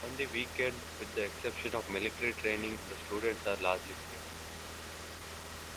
On the weekend, with the exception of military training, the students are largely free.